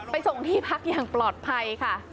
ส่งที่พักอย่างปลอดภัยค่ะ